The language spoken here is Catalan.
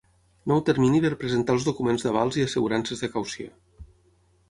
Nou termini per presentar els documents d'avals i assegurances de caució.